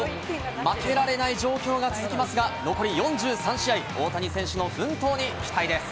負けられない状況が続きますが、残り４３試合、大谷選手の奮闘に期待です。